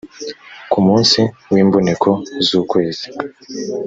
ku munsi w imboneko z ukwezi